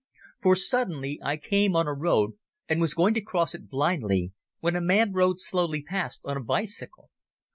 For suddenly I came on a road and was going to cross it blindly, when a man rode slowly past on a bicycle.